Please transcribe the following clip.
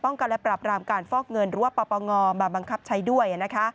ป้องกันและปรับรามการฟอกเงินรั่วประปังงอมาบังคับใช้ด้วย